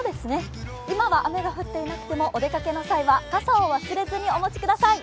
今は雨が降っていなくてもお出かけの際は傘を忘れずにお持ちください。